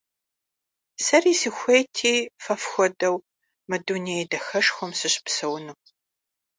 Сэри сыхуейти фэ фхуэдэу мы дуней дахэшхуэм сыщыпсэуну.